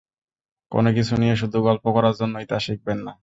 কোন কিছু নিয়ে শুধু গল্প করার জন্যই তা শিখবেন না।